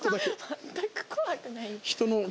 全く怖くない。